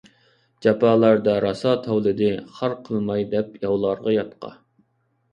جاپالاردا راسا تاۋلىدى، خار قىلماي دەپ ياۋلارغا ياتقا.